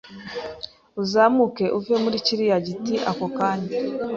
Uzamuke uve muri kiriya giti ako kanya!